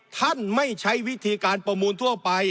ท่านไม่ใช้วิธีการประมูลทั่วไป